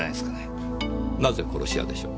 なぜ殺し屋でしょう？